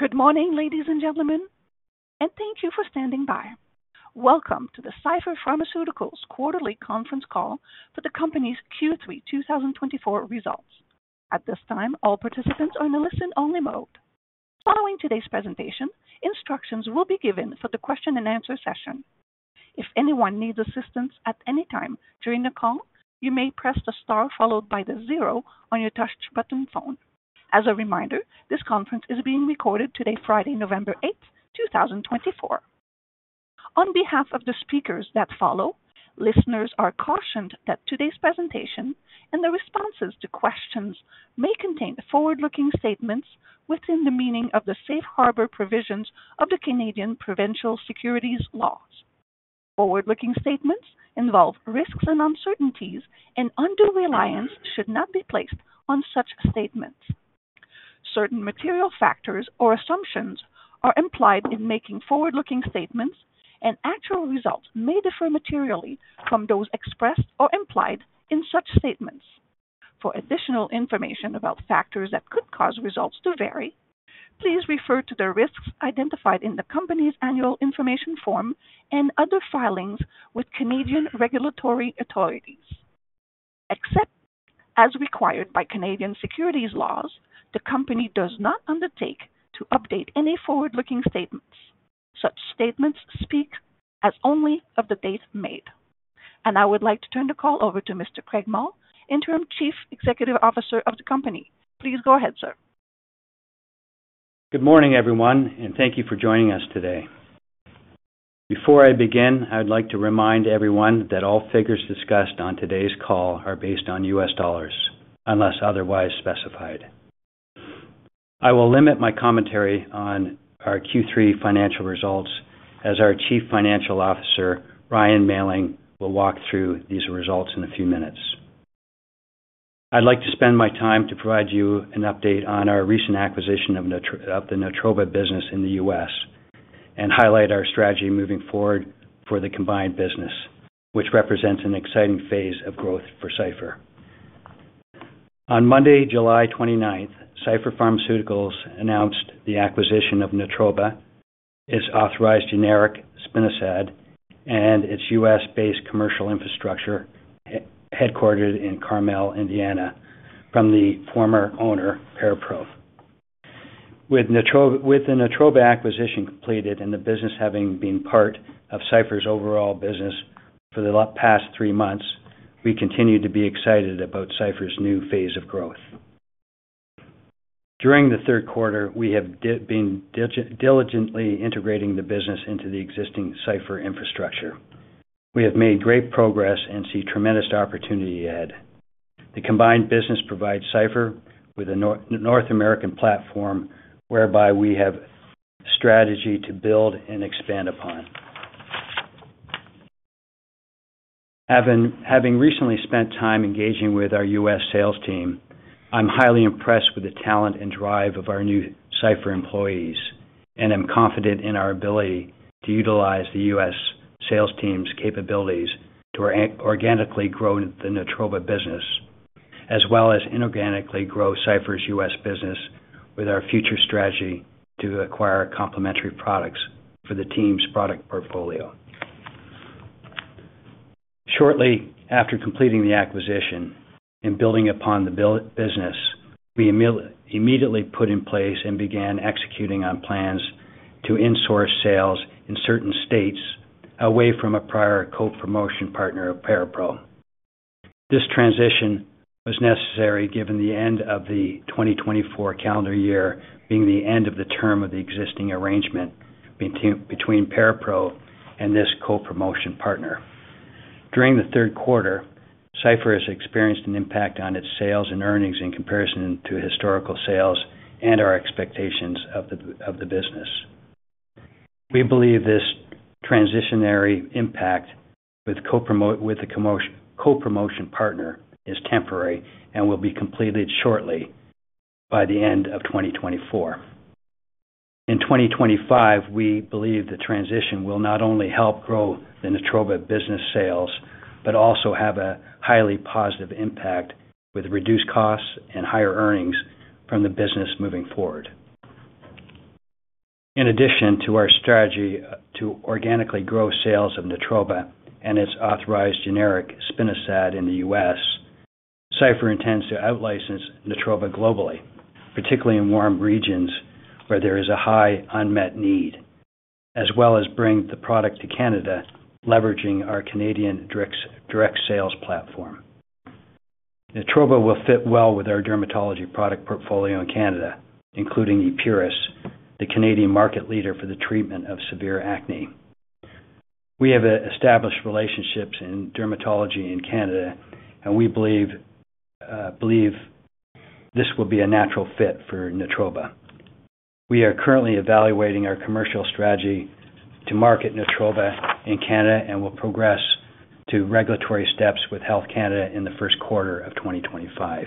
Good morning, ladies and gentlemen, and thank you for standing by. Welcome to the Cipher Pharmaceuticals Quarterly Conference Call for the Company's Q3 2024 Results. At this time, all participants are in a listen-only mode. Following today's presentation, instructions will be given for the question-and-answer session. If anyone needs assistance at any time during the call, you may press the star followed by the zero on your touchtone phone. As a reminder, this conference is being recorded today, Friday, November 8th, 2024. On behalf of the speakers that follow, listeners are cautioned that today's presentation and the responses to questions may contain forward-looking statements within the meaning of the safe harbor provisions of the Canadian Provincial Securities Laws. Forward-looking statements involve risks and uncertainties, and undue reliance should not be placed on such statements. Certain material factors or assumptions are implied in making forward-looking statements, and actual results may differ materially from those expressed or implied in such statements. For additional information about factors that could cause results to vary, please refer to the risks identified in the company's annual information form and other filings with Canadian regulatory authorities. Except as required by Canadian securities laws, the company does not undertake to update any forward-looking statements. Such statements speak only as of the date made, and I would like to turn the call over to Mr. Craig Mull, Interim Chief Executive Officer of the company. Please go ahead, sir. Good morning, everyone, and thank you for joining us today. Before I begin, I would like to remind everyone that all figures discussed on today's call are based on U.S. dollars, unless otherwise specified. I will limit my commentary on our Q3 financial results as our Chief Financial Officer, Ryan Mailling, will walk through these results in a few minutes. I'd like to spend my time to provide you an update on our recent acquisition of the Natroba business in the U.S. and highlight our strategy moving forward for the combined business, which represents an exciting phase of growth for Cipher. On Monday, July 29th, Cipher Pharmaceuticals announced the acquisition of Natroba, its authorized generic Spinosad, and its U.S.-based commercial infrastructure headquartered in Carmel, Indiana, from the former owner, ParaPRO. With the Natroba acquisition completed and the business having been part of Cipher's overall business for the past three months, we continue to be excited about Cipher's new phase of growth. During the Q3, we have been diligently integrating the business into the existing Cipher infrastructure. We have made great progress and see tremendous opportunity ahead. The combined business provides Cipher with a North American platform whereby we have strategy to build and expand upon. Having recently spent time engaging with our U.S. sales team, I'm highly impressed with the talent and drive of our new Cipher employees, and I'm confident in our ability to utilize the U.S. sales team's capabilities to organically grow the Natroba business, as well as inorganically grow Cipher's U.S. business with our future strategy to acquire complementary products for the team's product portfolio. Shortly after completing the acquisition and building upon the business, we immediately put in place and began executing on plans to insource sales in certain states away from a prior co-promotion partner of ParaPRO. This transition was necessary given the end of the 2024 calendar year being the end of the term of the existing arrangement between ParaPRO and this co-promotion partner. During the Q3, Cipher has experienced an impact on its sales and earnings in comparison to historical sales and our expectations of the business. We believe this transitional impact with the co-promotion partner is temporary and will be completed shortly by the end of 2024. In 2025, we believe the transition will not only help grow the Natroba business sales, but also have a highly positive impact with reduced costs and higher earnings from the business moving forward. In addition to our strategy to organically grow sales of Natroba and its authorized generic Spinosad in the U.S., Cipher intends to out-license Natroba globally, particularly in warm regions where there is a high unmet need, as well as bring the product to Canada leveraging our Canadian direct sales platform. Natroba will fit well with our dermatology product portfolio in Canada, including Epuris, the Canadian market leader for the treatment of severe acne. We have established relationships in dermatology in Canada, and we believe this will be a natural fit for Natroba. We are currently evaluating our commercial strategy to market Natroba in Canada and will progress to regulatory steps with Health Canada in the Q1 of 2025.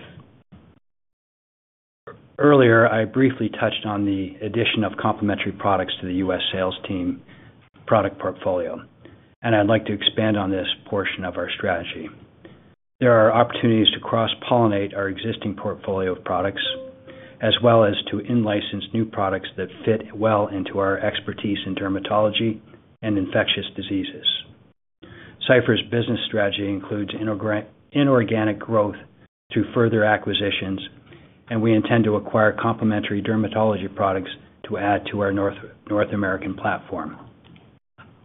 Earlier, I briefly touched on the addition of complementary products to the U.S. sales team product portfolio, and I'd like to expand on this portion of our strategy. There are opportunities to cross-pollinate our existing portfolio of products, as well as to in-license new products that fit well into our expertise in dermatology and infectious diseases. Cipher's business strategy includes inorganic growth through further acquisitions, and we intend to acquire complementary dermatology products to add to our North American platform.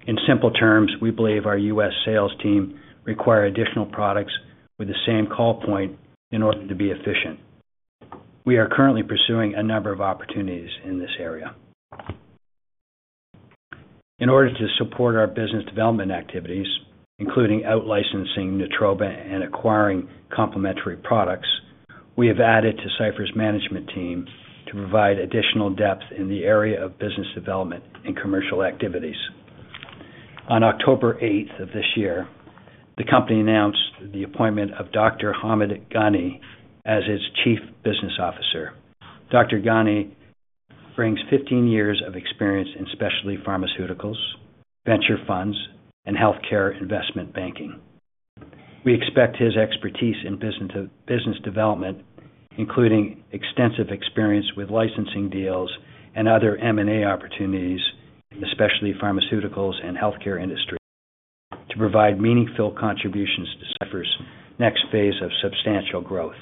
In simple terms, we believe our U.S. sales team require additional products with the same call point in order to be efficient. We are currently pursuing a number of opportunities in this area. In order to support our business development activities, including out-licensing Natroba and acquiring complementary products, we have added to Cipher's management team to provide additional depth in the area of business development and commercial activities. On October 8th of this year, the company announced the appointment of Dr. Hamid Ghani as its Chief Business Officer. Dr. Ghani brings 15 years of experience in specialty pharmaceuticals, venture funds, and healthcare investment banking. We expect his expertise in business development, including extensive experience with licensing deals and other M&A opportunities in the specialty pharmaceuticals and healthcare industry, to provide meaningful contributions to Cipher's next phase of substantial growth.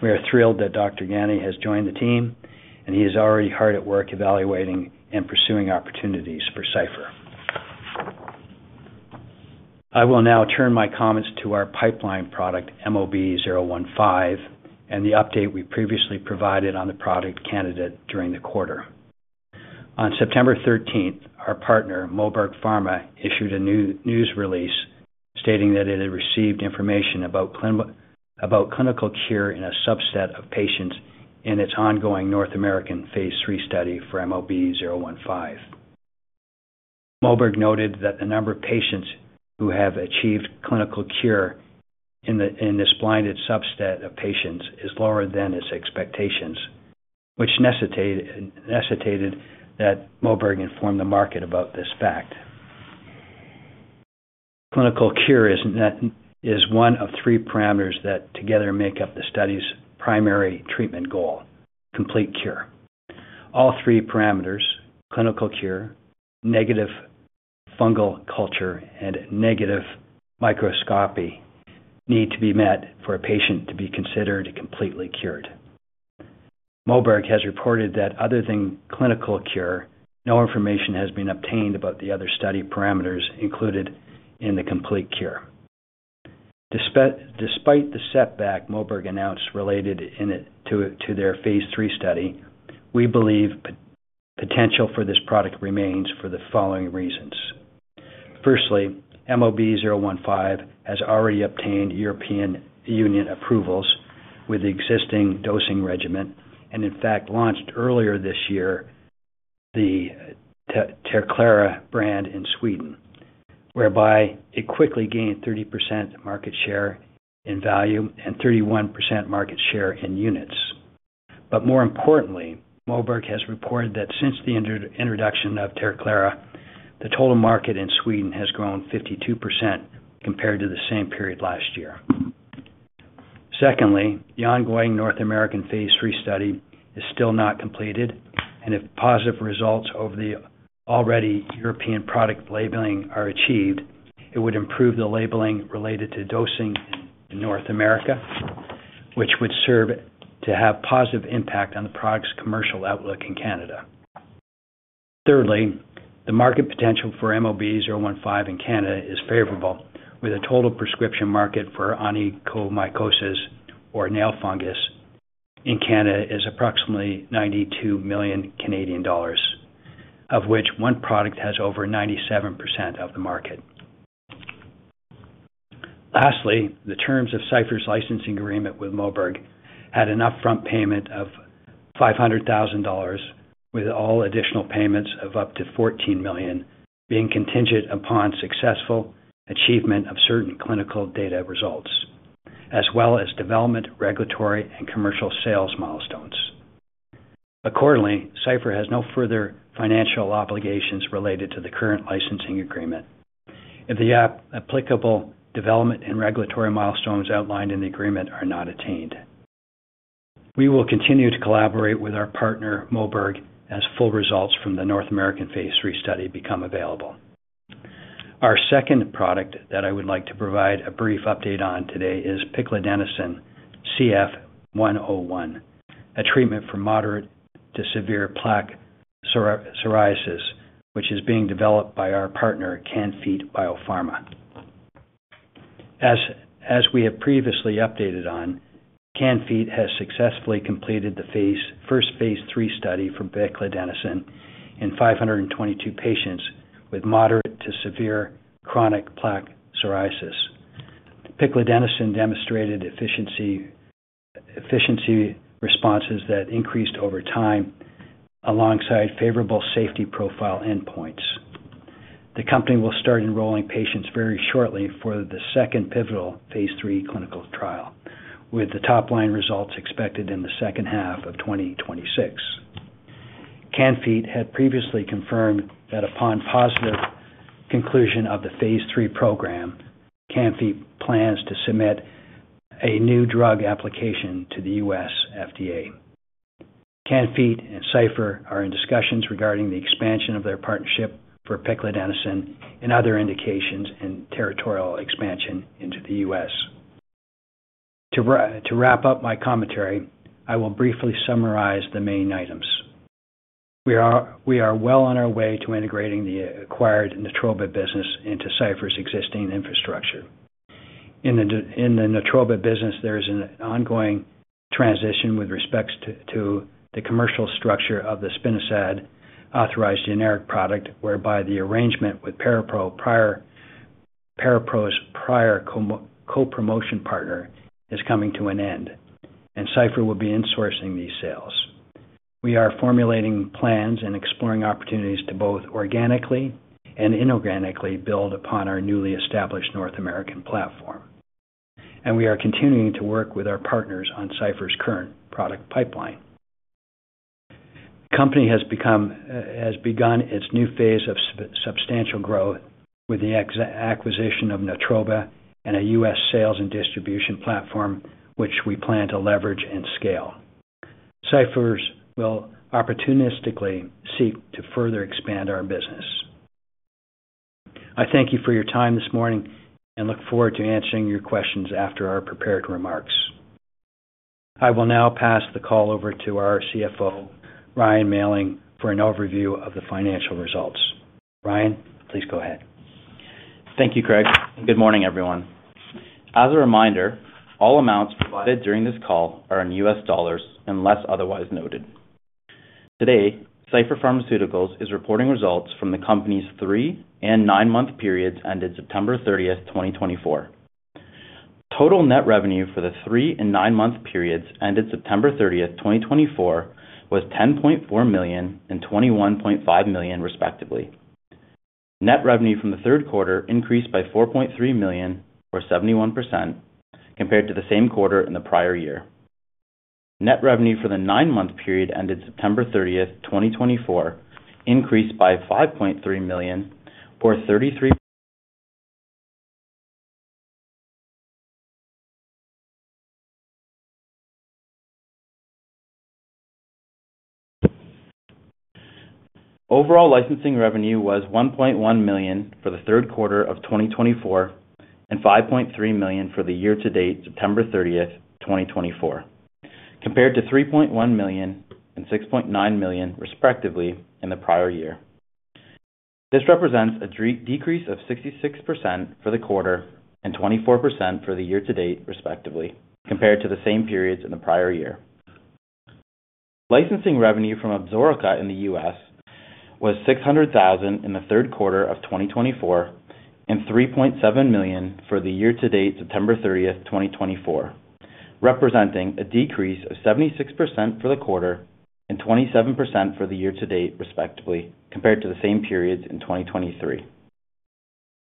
We are thrilled that Dr. Ghani has joined the team, and he is already hard at work evaluating and pursuing opportunities for Cipher. I will now turn my comments to our pipeline product, MOB-015, and the update we previously provided on the product candidate during the quarter. On September 13th, our partner, Moberg Pharma, issued a news release stating that it had received information about clinical cure in a subset of patients in its ongoing North American Phase III study for MOB-015. Moberg noted that the number of patients who have achieved clinical cure in this blinded subset of patients is lower than its expectations, which necessitated that Moberg inform the market about this fact. Clinical cure is one of three parameters that together make up the study's primary treatment goal: complete cure. All three parameters, clinical cure, negative fungal culture, and negative microscopy, need to be met for a patient to be considered completely cured. Moberg has reported that other than clinical cure, no information has been obtained about the other study parameters included in the complete cure. Despite the setback Moberg announced related to their phase III study, we believe potential for this product remains for the following reasons. Firstly, MOB-015 has already obtained European Union approvals with the existing dosing regimen and, in fact, launched earlier this year the Terclara brand in Sweden, whereby it quickly gained 30% market share in value and 31% market share in units. But more importantly, Moberg has reported that since the introduction of Terclara, the total market in Sweden has grown 52% compared to the same period last year. Secondly, the ongoing North American phase III study is still not completed, and if positive results over the already European product labeling are achieved, it would improve the labeling related to dosing in North America, which would serve to have a positive impact on the product's commercial outlook in Canada. Thirdly, the market potential for MOB-015 in Canada is favorable, with a total prescription market for onychomycosis or nail fungus in Canada is approximately 92 million Canadian dollars, of which one product has over 97% of the market. Lastly, the terms of Cipher's licensing agreement with Moberg had an upfront payment of $500,000, with all additional payments of up to $14 million being contingent upon successful achievement of certain clinical data results, as well as development, regulatory, and commercial sales milestones. Accordingly, Cipher has no further financial obligations related to the current licensing agreement, if the applicable development and regulatory milestones outlined in the agreement are not attained. We will continue to collaborate with our partner, Moberg, as full results from the North American phase III study become available. Our second product that I would like to provide a brief update on today is Piclidenoson CF101, a treatment for moderate to severe plaque psoriasis, which is being developed by our partner, Can-Fite BioPharma. As we have previously updated on, Can-Fite has successfully completed the first phase III study for Piclidenoson in 522 patients with moderate to severe chronic plaque psoriasis. Piclidenoson demonstrated efficacy responses that increased over time alongside favorable safety profile endpoints. The company will start enrolling patients very shortly for the second pivotal phase III clinical trial, with the top-line results expected in the H2 of 2026. Can-Fite had previously confirmed that upon positive conclusion of the phase III program, Can-Fite plans to submit a new drug application to the U.S. FDA. Can-Fite and Cipher are in discussions regarding the expansion of their partnership for Piclidenoson and other indications and territorial expansion into the U.S. To wrap up my commentary, I will briefly summarize the main items. We are well on our way to integrating the acquired Natroba business into Cipher's existing infrastructure. In the Natroba business, there is an ongoing transition with respect to the commercial structure of the Spinosad authorized generic product, whereby the arrangement with ParaPRO's prior co-promotion partner is coming to an end, and Cipher will be insourcing these sales. We are formulating plans and exploring opportunities to both organically and inorganically build upon our newly established North American platform, and we are continuing to work with our partners on Cipher's current product pipeline. The company has begun its new phase of substantial growth with the acquisition of Natroba and a U.S. sales and distribution platform, which we plan to leverage and scale. Cipher will opportunistically seek to further expand our business. I thank you for your time this morning and look forward to answering your questions after our prepared remarks. I will now pass the call over to our CFO, Ryan Mailling, for an overview of the financial results. Ryan, please go ahead. Thank you, Craig. Good morning, everyone. As a reminder, all amounts provided during this call are in U.S. dollars unless otherwise noted. Today, Cipher Pharmaceuticals is reporting results from the company's three and nine-month periods ended September 30th, 2024. Total net revenue for the three and nine-month periods ended September 30th, 2024, was $10.4 million and $21.5 million, respectively. Net revenue from the Q3 increased by $4.3 million, or 71%, compared to the same quarter in the prior year. Net revenue for the nine-month period ended September 30th, 2024, increased by $5.3 million, or 33%. Overall licensing revenue was 1.1 million for the Q3 of 2024 and 5.3 million for the year-to-date September 30th, 2024, compared to 3.1 million and 6.9 million, respectively, in the prior year. This represents a decrease of 66% for the quarter and 24% for the year-to-date, respectively, compared to the same periods in the prior year. Licensing revenue from Absorica in the U.S. was $600,000 in the Q3 of 2024 and $3.7 million for the year-to-date September 30th, 2024, representing a decrease of 76% for the quarter and 27% for the year-to-date, respectively, compared to the same periods in 2023.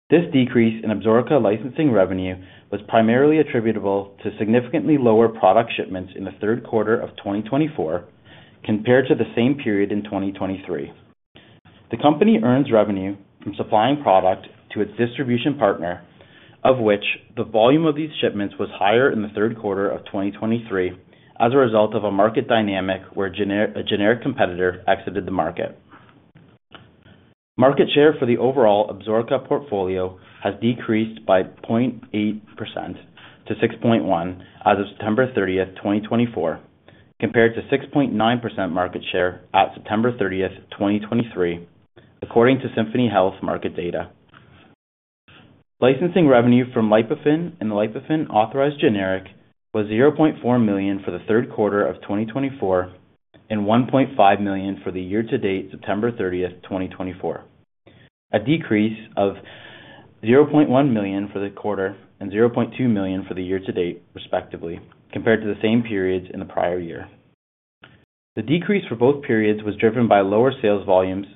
This decrease in Absorica licensing revenue was primarily attributable to significantly lower product shipments in the Q3 of 2024 compared to the same period in 2023. The company earns revenue from supplying product to its distribution partner, of which the volume of these shipments was higher in the Q3 of 2023 as a result of a market dynamic where a generic competitor exited the market. Market share for the overall Absorica portfolio has decreased by 0.8% to 6.1% as of September 30th, 2024, compared to 6.9% market share at September 30th, 2023, according to Symphony Health market data. Licensing revenue from Lipofen and the Lipofen authorized generic was 0.4 million for the Q3 of 2024 and 1.5 million for the year-to-date September 30th, 2024, a decrease of 0.1 million for the quarter and 0.2 million for the year-to-date, respectively, compared to the same periods in the prior year. The decrease for both periods was driven by lower sales volumes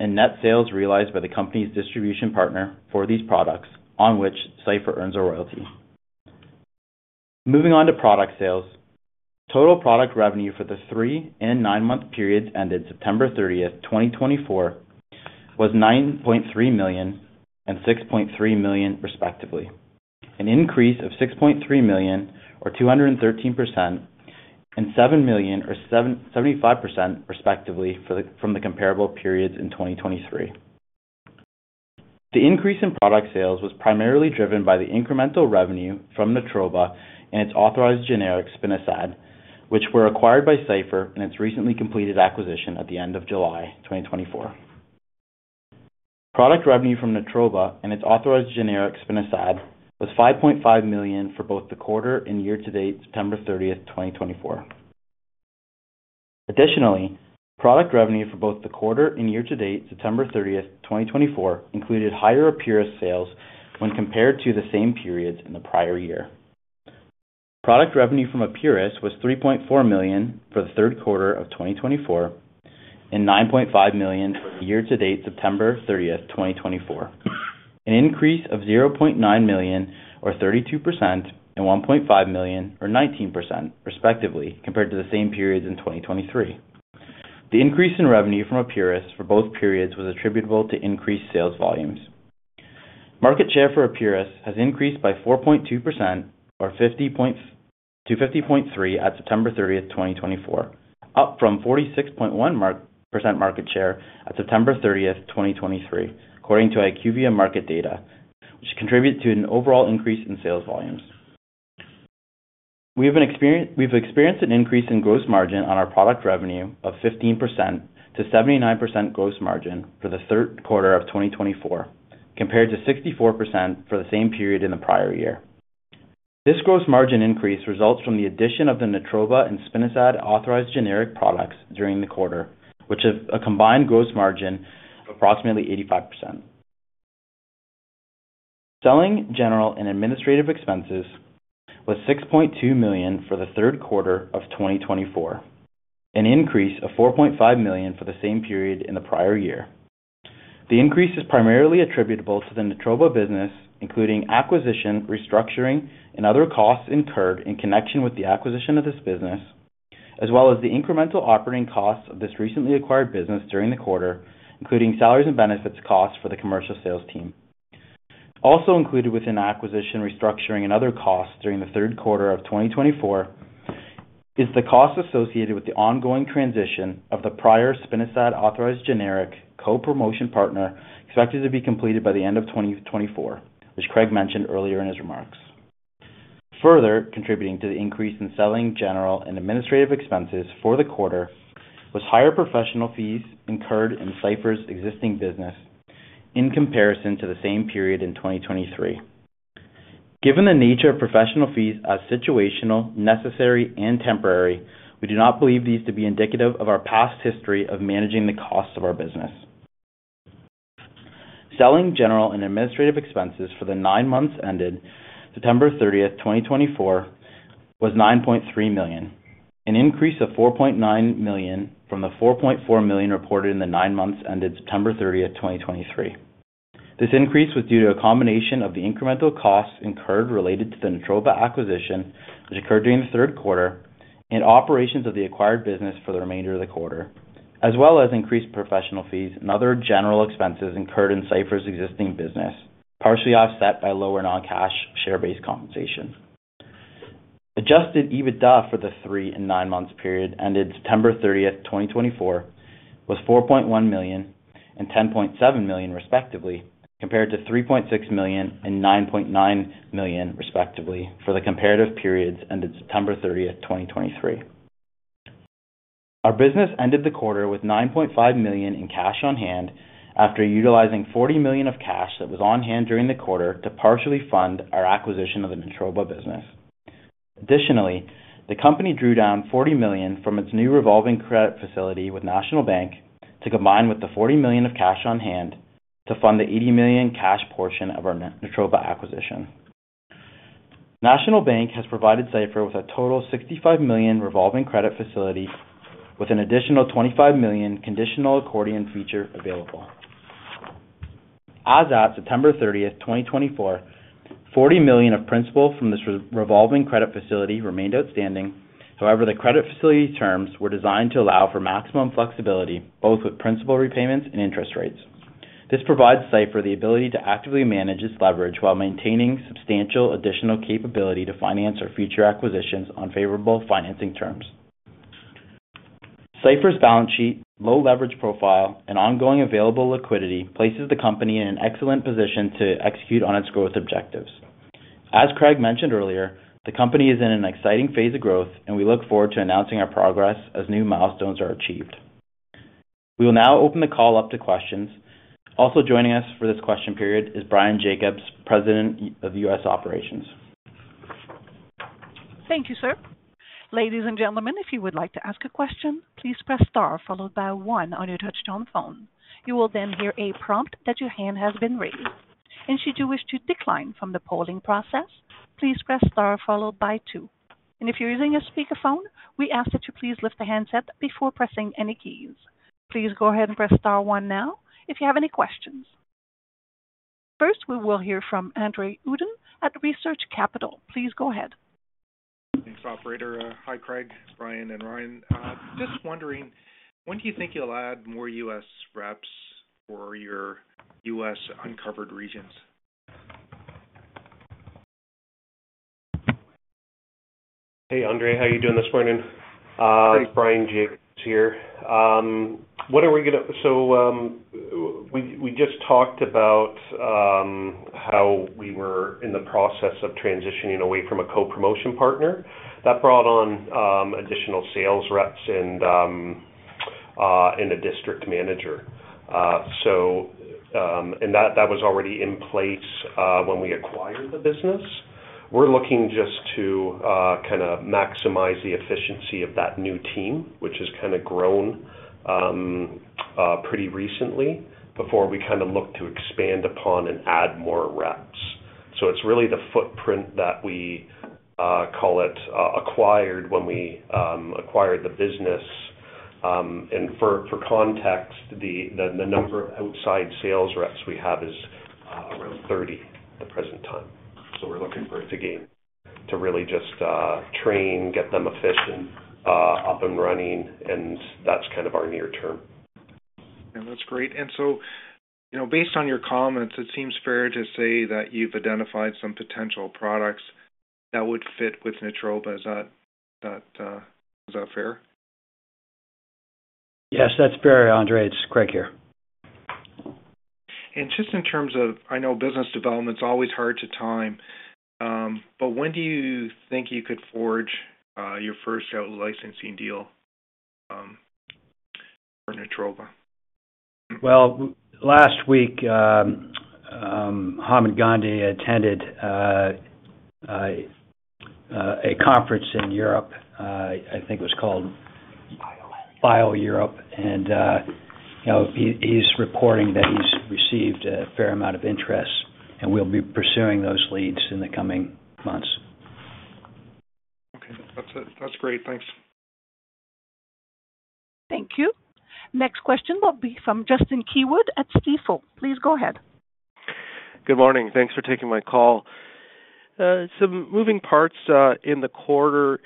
and net sales realized by the company's distribution partner for these products, on which Cipher earns a royalty. Moving on to product sales, total product revenue for the three and nine-month periods ended September 30th, 2024, was 9.3 million and 6.3 million, respectively, an increase of 6.3 million, or 213%, and 7 million, or 75%, respectively, from the comparable periods in 2023. The increase in product sales was primarily driven by the incremental revenue from Natroba and its authorized generic Spinosad, which were acquired by Cipher in its recently completed acquisition at the end of July 2024. Product revenue from Natroba and its authorized generic Spinosad was 5.5 million for both the quarter and year-to-date September 30th, 2024. Additionally, product revenue for both the quarter and year-to-date September 30th, 2024, included higher Epuris sales when compared to the same periods in the prior year. Product revenue from Epuris was 3.4 million for the Q3 of 2024 and 9.5 million for the year-to-date September 30th, 2024, an increase of 0.9 million, or 32%, and 1.5 million, or 19%, respectively, compared to the same periods in 2023. The increase in revenue from Epuris for both periods was attributable to increased sales volumes. Market share for Epuris has increased by 4.2 percentage points to 50.3% at September 30th, 2024, up from 46.1% market share at September 30th, 2023, according to IQVIA market data, which contributed to an overall increase in sales volumes. We've experienced an increase in gross margin on our product revenue of 15% to 79% gross margin for the Q3 of 2024, compared to 64% for the same period in the prior year. This gross margin increase results from the addition of the Natroba and Spinosad authorized generic products during the quarter, which have a combined gross margin of approximately 85%. Selling, general, and administrative expenses was 6.2 million for the Q3 of 2024, an increase of 4.5 million for the same period in the prior year. The increase is primarily attributable to the Natroba business, including acquisition, restructuring, and other costs incurred in connection with the acquisition of this business, as well as the incremental operating costs of this recently acquired business during the quarter, including salaries and benefits costs for the commercial sales team. Also included within acquisition, restructuring, and other costs during the Q3 of 2024 is the cost associated with the ongoing transition of the prior Spinosad authorized generic co-promotion partner expected to be completed by the end of 2024, which Craig mentioned earlier in his remarks. Further contributing to the increase in selling, general, and administrative expenses for the quarter was higher professional fees incurred in Cipher's existing business in comparison to the same period in 2023. Given the nature of professional fees as situational, necessary, and temporary, we do not believe these to be indicative of our past history of managing the costs of our business. Selling, general, and administrative expenses for the nine months ended September 30th, 2024, was 9.3 million, an increase of 4.9 million from the 4.4 million reported in the nine months ended September 30th, 2023. This increase was due to a combination of the incremental costs incurred related to the Natroba acquisition, which occurred during the Q3, and operations of the acquired business for the remainder of the quarter, as well as increased professional fees and other general expenses incurred in Cipher's existing business, partially offset by lower non-cash share-based compensation. Adjusted EBITDA for the three and nine-month period ended September 30th, 2024, was 4.1 million and 10.7 million, respectively, compared to 3.6 million and 9.9 million, respectively, for the comparative periods ended September 30th, 2023. Our business ended the quarter with 9.5 million in cash on hand after utilizing 40 million of cash that was on hand during the quarter to partially fund our acquisition of the Natroba business. Additionally, the company drew down $40 million from its new revolving credit facility with National Bank to combine with the $40 million of cash on hand to fund the $80 million cash portion of our Natroba acquisition. National Bank has provided Cipher with a total of $65 million revolving credit facility with an additional $25 million conditional accordion feature available. As at September 30th, 2024, $40 million of principal from this revolving credit facility remained outstanding. However, the credit facility terms were designed to allow for maximum flexibility, both with principal repayments and interest rates. This provides Cipher the ability to actively manage its leverage while maintaining substantial additional capability to finance our future acquisitions on favorable financing terms. Cipher's balance sheet, low leverage profile, and ongoing available liquidity places the company in an excellent position to execute on its growth objectives. As Craig mentioned earlier, the company is in an exciting phase of growth, and we look forward to announcing our progress as new milestones are achieved. We will now open the call up to questions. Also joining us for this question period is Bryan Jacobs, President of U.S. Operations. Thank you, sir. Ladies and gentlemen, if you would like to ask a question, please press star followed by one on your touch-tone phone. You will then hear a prompt that your hand has been raised. And should you wish to decline from the polling process, please press star followed by two. And if you're using a speakerphone, we ask that you please lift the handset before pressing any keys. Please go ahead and press star one now if you have any questions. First, we will hear from Andre Uddin at Research Capital. Please go ahead. Thanks, operator. Hi, Craig, Bryan, and Ryan. Just wondering, when do you think you'll add more U.S. reps for your U.S. uncovered regions? Hey, Andre. How are you doing this morning? It's Bryan Jacobs here. So we just talked about how we were in the process of transitioning away from a co-promotion partner. That brought on additional sales reps and a district manager. And that was already in place when we acquired the business. We're looking just to kind of maximize the efficiency of that new team, which has kind of grown pretty recently before we kind of looked to expand upon and add more reps. So it's really the footprint that we call it acquired when we acquired the business. And for context, the number of outside sales reps we have is around 30 at the present time. So we're looking for it to gain traction to really just train, get them efficient, up and running, and that's kind of our near term. And that's great. And so based on your comments, it seems fair to say that you've identified some potential products that would fit with Natroba. Is that fair? Yes, that's fair, Andre. It's Craig here. And just in terms of I know business development's always hard to time, but when do you think you could forge your first licensing deal for Natroba? Well, last week, Hamid Ghani attended a conference in Europe. I think it was called BIO-Europe. And he's reporting that he's received a fair amount of interest, and we'll be pursuing those leads in the coming months. Okay. That's great. Thanks. Thank you. Next question will be from Justin Keywood at Stifel. Please go ahead. Good morning. Thanks for taking my call. Some moving parts in the quarter.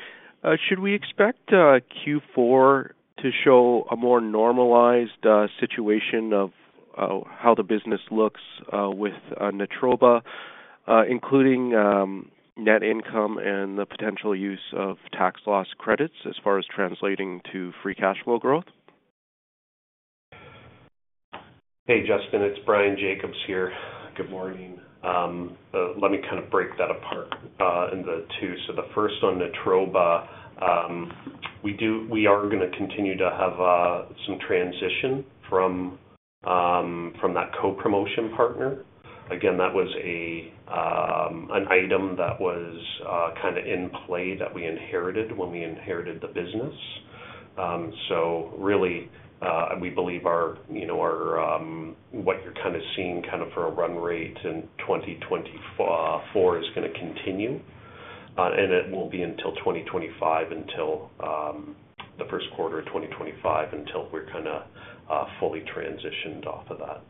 Should we expect Q4 to show a more normalized situation of how the business looks with Natroba, including net income and the potential use of tax loss credits as far as translating to free cash flow growth? Hey, Justin. It's Bryan Jacobs here. Good morning. Let me kind of break that apart into two. So the first on Natroba, we are going to continue to have some transition from that co-promotion partner. Again, that was an item that was kind of in play that we inherited when we inherited the business. So really, we believe what you're kind of seeing kind of for a run rate in 2024 is going to continue, and it won't be until 2025, until the Q1 of 2025, until we're kind of fully transitioned off of that.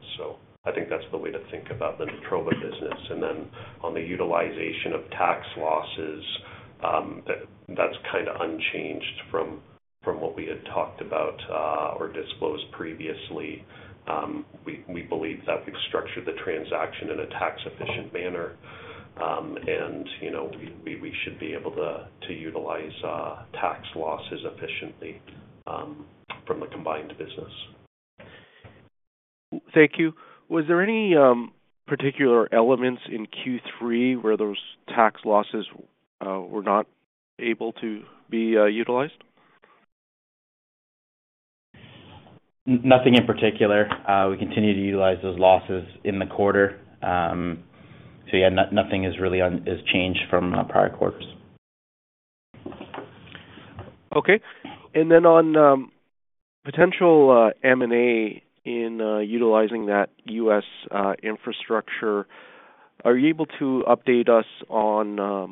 I think that's the way to think about the Natroba business. And then on the utilization of tax losses, that's kind of unchanged from what we had talked about or disclosed previously. We believe that we've structured the transaction in a tax-efficient manner, and we should be able to utilize tax losses efficiently from the combined business. Thank you. Was there any particular elements in Q3 where those tax losses were not able to be utilized? Nothing in particular. We continue to utilize those losses in the quarter. So yeah, nothing has really changed from prior quarters. Okay. And then on potential M&A in utilizing that U.S. infrastructure, are you able to update us on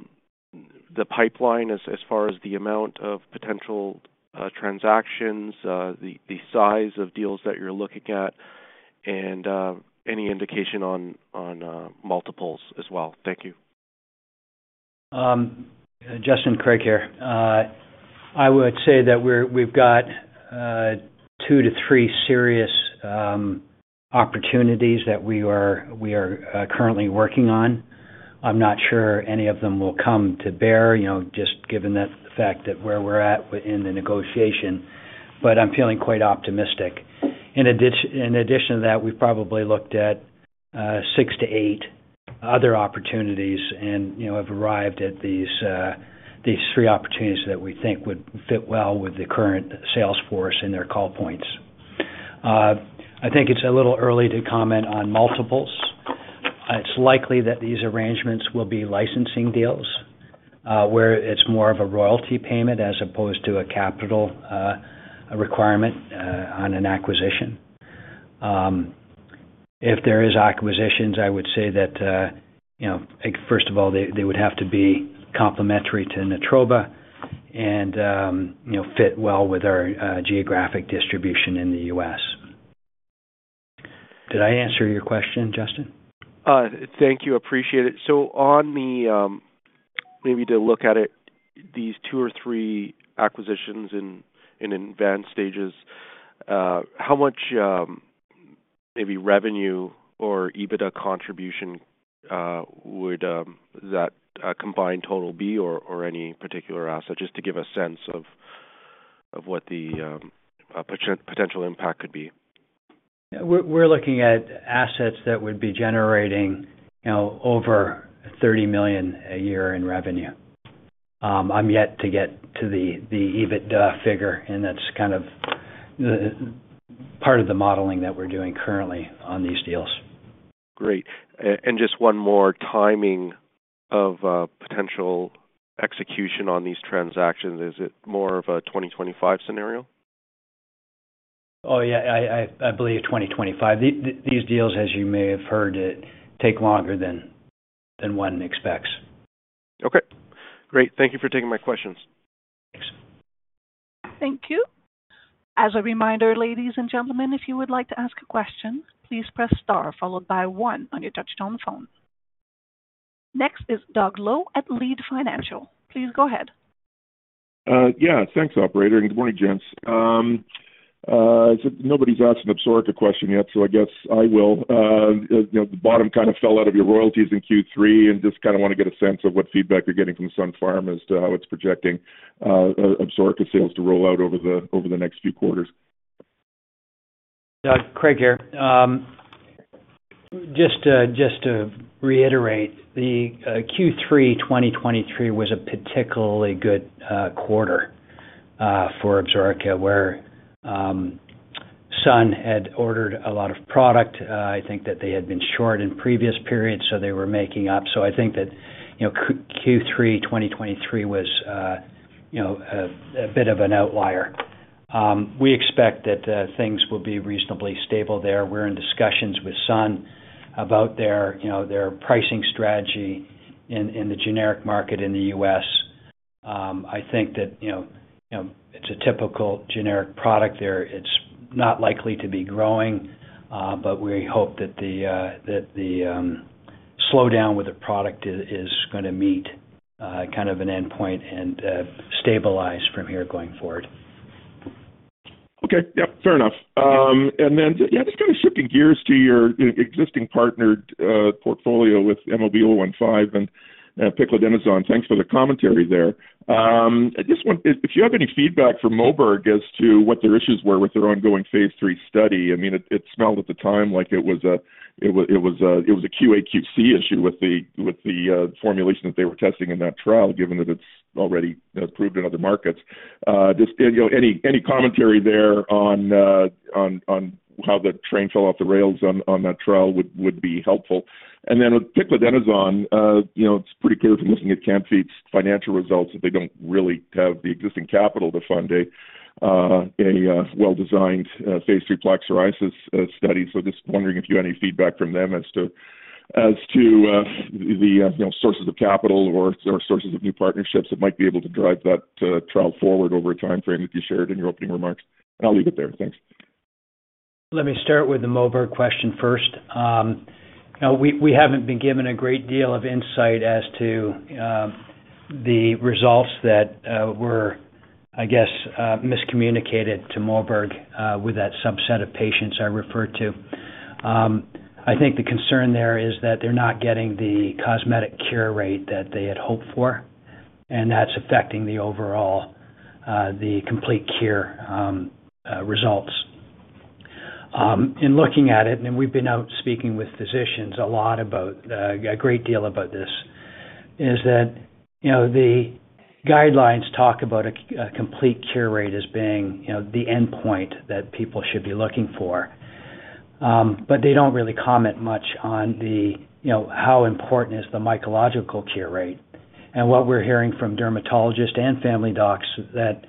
the pipeline as far as the amount of potential transactions, the size of deals that you're looking at, and any indication on multiples as well? Thank you. Justin, Craig here. I would say that we've got two to three serious opportunities that we are currently working on. I'm not sure any of them will come to bear, just given the fact that where we're at in the negotiation, but I'm feeling quite optimistic. In addition to that, we've probably looked at six to eight other opportunities and have arrived at these three opportunities that we think would fit well with the current sales force and their call points. I think it's a little early to comment on multiples. It's likely that these arrangements will be licensing deals where it's more of a royalty payment as opposed to a capital requirement on an acquisition. If there are acquisitions, I would say that, first of all, they would have to be complementary to Natroba and fit well with our geographic distribution in the U.S. Did I answer your question, Justin? Thank you. Appreciate it. So maybe to look at these two or three acquisitions in advanced stages, how much maybe revenue or EBITDA contribution would that combined total be or any particular asset, just to give a sense of what the potential impact could be? We're looking at assets that would be generating over 30 million a year in revenue. I'm yet to get to the EBITDA figure, and that's kind of part of the modeling that we're doing currently on these deals. Great. And just one more timing of potential execution on these transactions. Is it more of a 2025 scenario? Oh, yeah. I believe 2025. These deals, as you may have heard, take longer than one expects. Okay. Great. Thank you for taking my questions. Thanks. Thank you. As a reminder, ladies and gentlemen, if you would like to ask a question, please press star followed by one on your touch-tone phone. Next is Doug Loe at Leede Financial. Please go ahead. Yeah. Thanks, operator. And good morning, gents. Nobody's asked an Absorica question yet, so I guess I will. The bottom kind of fell out of your royalties in Q3, and just kind of want to get a sense of what feedback you're getting from Sun Pharma as to how it's projecting Absorica sales to roll out over the next few quarters. Craig here. Just to reiterate, the Q3 2023 was a particularly good quarter for Absorica, where Sun had ordered a lot of product. I think that they had been short in previous periods, so they were making up. So I think that Q3 2023 was a bit of an outlier. We expect that things will be reasonably stable there. We're in discussions with Sun about their pricing strategy in the generic market in the U.S. I think that it's a typical generic product there. It's not likely to be growing, but we hope that the slowdown with the product is going to meet kind of an endpoint and stabilize from here going forward. Okay. Yep. Fair enough. And then, yeah, just kind of shifting gears to your existing partner portfolio with MOB-015 and Piclidenoson. Thanks for the commentary there. If you have any feedback from Moberg as to what their issues were with their ongoing phase II study, I mean, it smelled at the time like it was a QA/QC issue with the formulation that they were testing in that trial, given that it's already approved in other markets. Any commentary there on how the train fell off the rails on that trial would be helpful, and then with Piclidenoson, it's pretty clear from looking at Can-Fite's financial results that they don't really have the existing capital to fund a well-designed phase III plaque psoriasis study, so just wondering if you have any feedback from them as to the sources of capital or sources of new partnerships that might be able to drive that trial forward over a timeframe that you shared in your opening remarks, and I'll leave it there. Thanks. Let me start with the Moberg question first. We haven't been given a great deal of insight as to the results that were, I guess, miscommunicated to Moberg with that subset of patients I referred to. I think the concern there is that they're not getting the cosmetic cure rate that they had hoped for, and that's affecting the overall, the complete cure results. In looking at it, and we've been out speaking with physicians a lot about a great deal about this, is that the guidelines talk about a complete cure rate as being the endpoint that people should be looking for, but they don't really comment much on how important is the mycological cure rate. And what we're hearing from dermatologists and family docs is that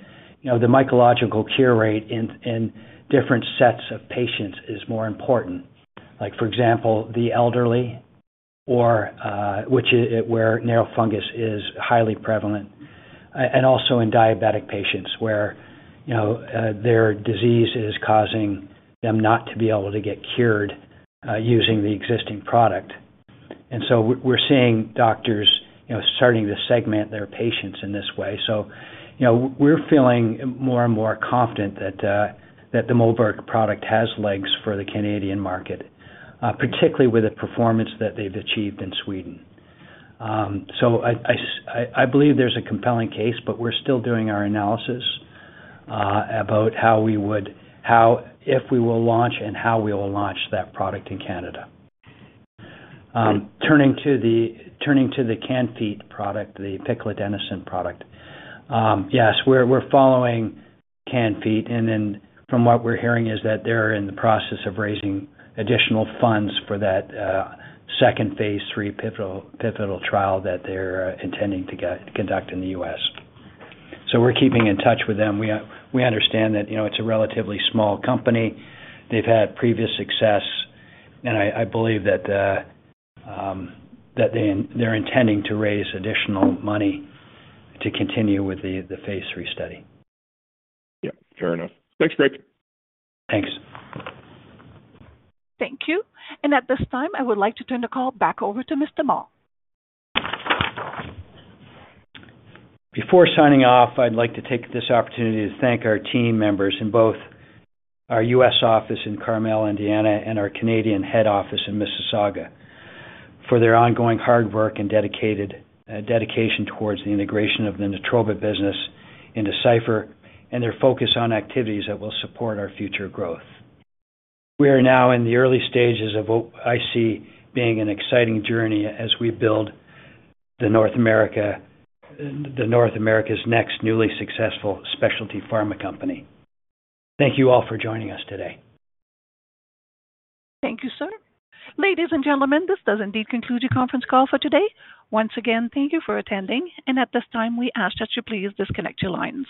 the mycological cure rate in different sets of patients is more important. For example, the elderly, which is where nail fungus is highly prevalent, and also in diabetic patients where their disease is causing them not to be able to get cured using the existing product. We're seeing doctors starting to segment their patients in this way. We're feeling more and more confident that the Moberg product has legs for the Canadian market, particularly with the performance that they've achieved in Sweden. I believe there's a compelling case, but we're still doing our analysis about how we would, how, if we will launch, and how we will launch that product in Canada. Turning to the Can-Fite product, the Piclidenoson product. Yes, we're following Can-Fite, and then from what we're hearing is that they're in the process of raising additional funds for that second phase three pivotal trial that they're intending to conduct in the U.S. We're keeping in touch with them. We understand that it's a relatively small company. They've had previous success, and I believe that they're intending to raise additional money to continue with the phase three study. Yep. Fair enough. Thanks, Craig. Thanks. Thank you. And at this time, I would like to turn the call back over to Mr. Mull. Before signing off, I'd like to take this opportunity to thank our team members in both our U.S. office in Carmel, Indiana, and our Canadian head office in Mississauga for their ongoing hard work and dedication towards the integration of the Natroba business into Cipher and their focus on activities that will support our future growth. We are now in the early stages of what I see being an exciting journey as we build the North America's next newly successful specialty pharma company. Thank you all for joining us today. Thank you, sir. Ladies and gentlemen, this does indeed conclude your conference call for today. Once again, thank you for attending, and at this time, we ask that you please disconnect your lines.